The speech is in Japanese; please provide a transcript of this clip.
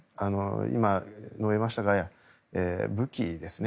今、述べましたが武器ですね。